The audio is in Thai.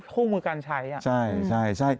คู่มือการใช้